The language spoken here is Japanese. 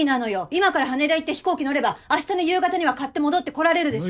今から羽田行って飛行機乗ればあしたの夕方には買って戻ってこられるでしょ。